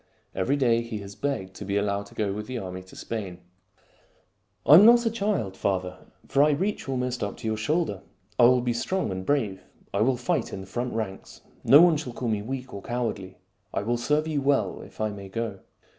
Every day he has begged to be allowed to go with the army to Spain. " I am not a child, father ; for I reach almost up to your shoulder. I will be strong and brave. I will fight in the front ranks. No one shall call me weak or cowardly. I will serve you well if I may go."